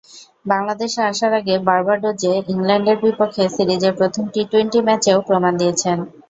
বাংলাদেশে আসার আগে বার্বাডোজে ইংল্যান্ডের বিপক্ষে সিরিজের প্রথম টি-টোয়েন্টি ম্যাচেও প্রমাণ দিয়েছেন।